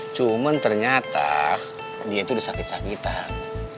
cuman ternyata dia itu udah sakit sakitan